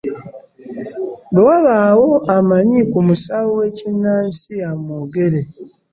Bwe wabaawo amanyi ku musawo w'ekinnansi amwogere.